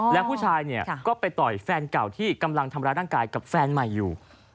แล้วผู้ชายเนี่ยก็ไปต่อยแฟนเก่าที่กำลังทำร้ายร่างกายกับแฟนใหม่อยู่